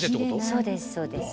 そうですそうです。